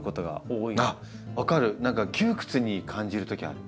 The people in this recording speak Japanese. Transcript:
何か窮屈に感じるときある。